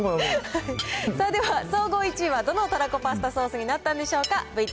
さあ、では総合１位は、どのたらこパスタソースになったんでしょうか？